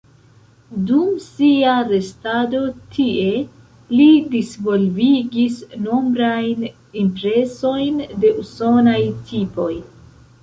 Dum sia restado tie, li disvolvigis nombrajn impresojn de usonaj tipoj.